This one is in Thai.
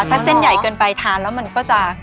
ถ้าเส้นใหญ่เกินไปทานแล้วมันก็จะ